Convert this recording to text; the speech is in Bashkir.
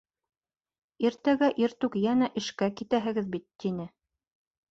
Иртәгә иртүк йәнә эшкә китәһегеҙ бит, -тине.